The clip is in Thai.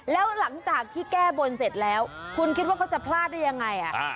แล้วหลังจากที่แก้บนเสร็จแล้วคุณคิดว่าเขาจะพลาดได้ยังไง